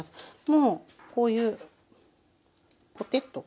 もうこういうポテッと。